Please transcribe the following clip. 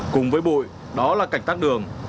cùng với bùi đó là cảnh tắt đường